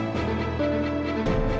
bisa ya tahan ya